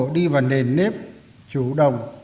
đi vào nền nếp chủ động